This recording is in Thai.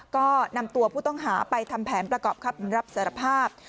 ก็นำตัวผู้ต้องหาไปทำแผนประกอบคำรับสารภาพ